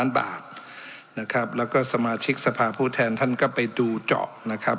บาทนะครับแล้วก็สมาชิกสภาผู้แทนท่านก็ไปดูเจาะนะครับ